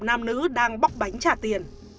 nam nữ đang bóc bánh trả tiền